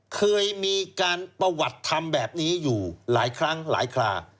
เคยมีการประวัติธรรมแบบนี้อยู่หลายครั้งหลายครา